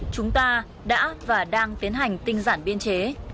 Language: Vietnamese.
chúng ta đã và đang tiến hành tinh giản biên chế